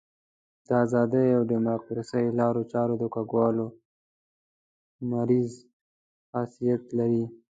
د ازادۍ او ډیموکراسۍ لارو چارو د کږولو مریض خاصیت لري.